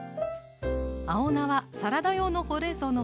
青菜はサラダ用のほうれんそうの他